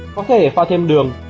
có thể pha thêm đường